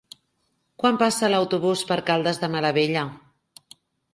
Quan passa l'autobús per Caldes de Malavella?